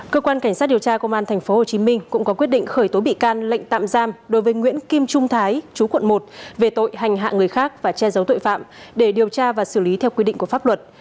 cơ quan cảnh sát điều tra công an tp hcm cũng có quyết định khởi tố bị can lệnh tạm giam đối với nguyễn kim trung thái chú quận một về tội hành hạ người khác và che giấu tội phạm để điều tra và xử lý theo quy định của pháp luật